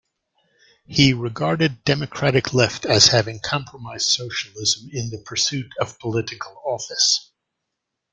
He regarded Democratic Left as having compromised socialism in the pursuit of political office.